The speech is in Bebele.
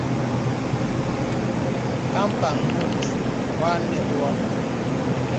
Ka mpàŋ mùt wa nə̀n wɔ.